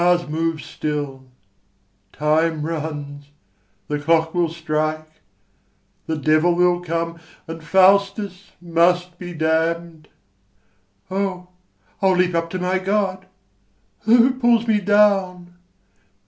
The stars move still, time runs, the clock will strike, The devil will come, and Faustus must be damn'd. O, I'll leap up to my God! Who pulls me down?